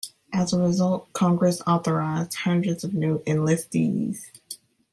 As a result, Congress authorized hundreds of new enlistees.